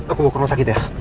aku bawa ke rumah sakit ya